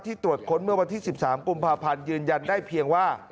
ตรวจค้นเมื่อวันที่๑๓กุมภาพันธ์ยืนยันได้เพียงว่า